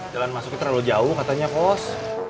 jalan masuknya terlalu jauh katanya kos